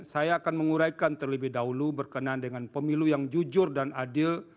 saya akan menguraikan terlebih dahulu berkenaan dengan pemilu yang jujur dan adil